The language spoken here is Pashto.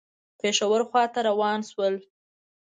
پېښور خواته روان شول.